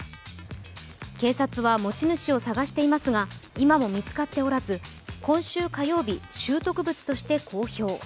警察は持ち主を探していますが今も見つかっておらず、今週火曜日、拾得物として公表。